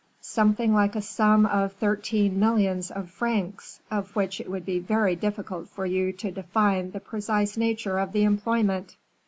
"Something like a sum of thirteen millions of francs, of which it would be very difficult for you to define the precise nature of the employment."